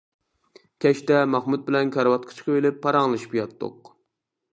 كەچتە مەخمۇت بىلەن كارىۋاتقا چىقىۋېلىپ پاراڭلىشىپ ياتتۇق.